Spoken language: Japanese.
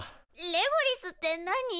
レゴリスって何？